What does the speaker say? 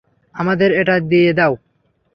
আমাদের এটা দিয়ে দাও।